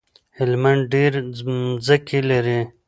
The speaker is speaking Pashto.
هلمند ډيری مځکی لری